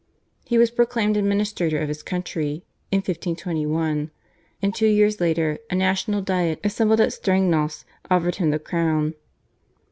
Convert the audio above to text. He was proclaimed administrator of his country in 1521, and two years later a national Diet assembled at Strengnas offered him the crown.